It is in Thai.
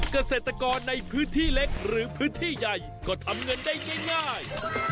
เกษตรกรในพื้นที่เล็กหรือพื้นที่ใหญ่ก็ทำเงินได้ง่าย